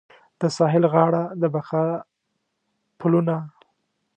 د ساحل غاړه د بقا پلونه